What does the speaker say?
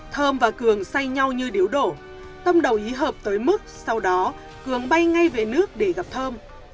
thơm và cường say nhau như điếu đổ tâm đầu ý hợp tới mức sau đó cường bay ngay về nước để gặp thơm